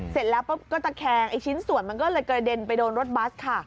เสร็จแล้วปุ๊บก็ตะแคงไอ้ชิ้นส่วนมันก็เลยกระเด็นไปโดนรถบัสค่ะ